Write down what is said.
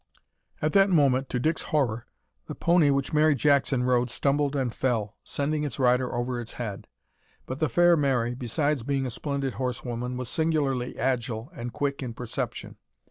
At that moment to Dick's horror, the pony which Mary Jackson rode stumbled and fell, sending its rider over its head. But the fair Mary, besides being a splendid horsewoman, was singularly agile and quick in perception.